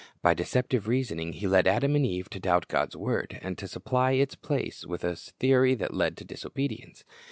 By deceptive reasoning he led Adam and Eve to doubt God's word, and to supply its place with a theory that led to disobedience.